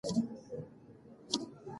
پوهنتونونه ستاسو انتظار باسي.